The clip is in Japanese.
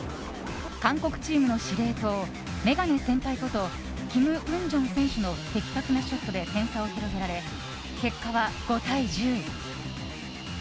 韓国チームの司令塔メガネ先輩ことキム・ウンジョン選手の的確なショットで点差を広げられ、結果は５対１０。